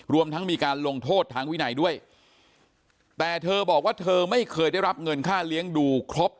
รวมทั้งมีการลงโทษทางวินัยด้วยแต่เธอบอกว่าเธอไม่เคยได้รับเงินค่าเลี้ยงดูครบ